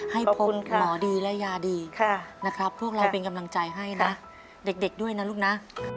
ให้พบคุณหมอดีและยาดีนะครับพวกเราเป็นกำลังใจให้นะเด็กด้วยนะลูกนะ